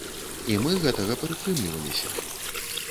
І мы гэтага прытрымліваліся.